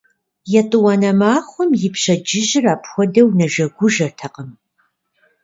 ЕтӀуанэ махуэм и пщэдджыжьыр апхуэдэу нэжэгужэтэкъым.